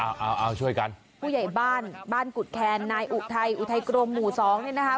เอาเอาเอาช่วยกันผู้ใหญ่บ้านบ้านกุฎแคนนายอุทัยอุทัยกรมหมู่สองเนี่ยนะคะ